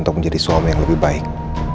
untuk menjadi suami yang lebih baik